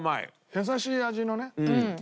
優しい味のね。